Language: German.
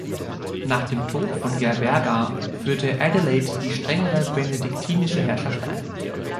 Nach dem Tod von Gerberga führte Adelaide die strengere benediktinische Herrschaft ein.